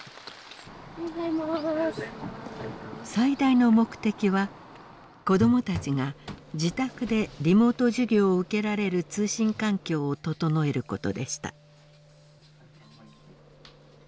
最大の目的は子どもたちが自宅でリモート授業を受けられる通信環境を整えることでした。